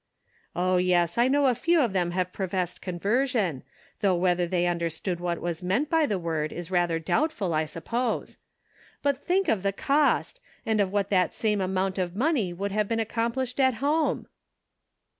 "" Oh, yes, I know a few of them have professed conversion, though whether they understood what was meant by the word is rather doubtful, I suppose ; but think of the cost ! and of what the same amount of money would have ac complished at home